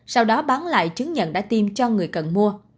sau đó bán lại chứng nhận đã tiêm cho người cần mua